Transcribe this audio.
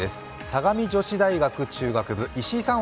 相模女子大学中等部、石井さん